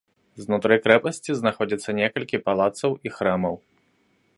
Знутры крэпасці знаходзяцца некалькі палацаў і храмаў.